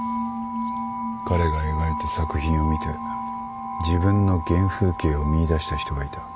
彼が描いた作品を見て自分の原風景を見いだした人がいた。